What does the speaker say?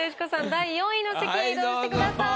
第４位の席へ移動してください。